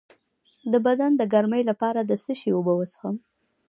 د بدن د ګرمۍ لپاره د څه شي اوبه وڅښم؟